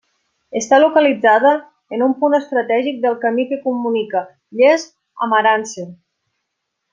Està localitzada en un punt estratègic del camí que comunica Lles amb Arànser.